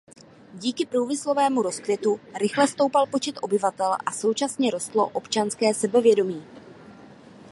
Díky průmyslovému rozkvětu rychle stoupal počet obyvatel a současně rostlo občanské sebevědomí.